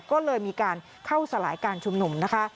ก็เลยมีการเข้าสลายการชุมนุมนะคะ